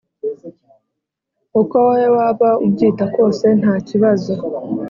uko wowe waba ubyita kose ntakibazo